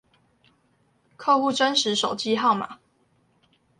客戶真實手機號碼